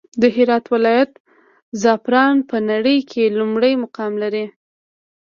د هرات ولايت زعفران په نړى کې لومړى مقام لري.